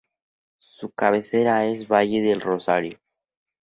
Su cabecera es Valle del Rosario.